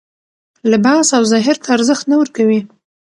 لباس او ظاهر ته ارزښت نه ورکوي